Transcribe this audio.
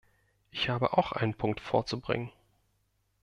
Ich habe auch einen Punkt vorzubringen.